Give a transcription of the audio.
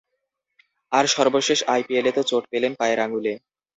আর সর্বশেষ আইপিএলে তো চোট পেলেন পায়ের আঙুলে।